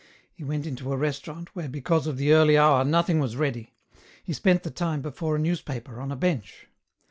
He went into a restaurant, where because of the early hour nothing was ready ; he spent the time before a newspaper, on a bench.